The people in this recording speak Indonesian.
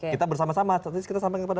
kita bersama sama saat ini kita sampaikan kepada